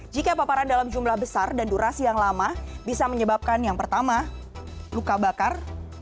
jika paparan dalam jumlah besar dan durasi yang lama bisa menyebabkan yang pertama luka bakar